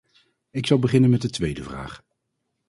Ik zal beginnen met de tweede vraag.